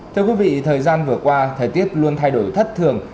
thưa quý vị thời gian vừa qua thời tiết luôn thay đổi thất thường